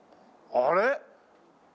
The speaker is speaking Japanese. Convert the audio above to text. あれ？